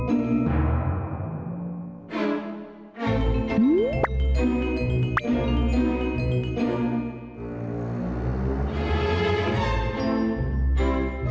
โอ้โอ้โอ้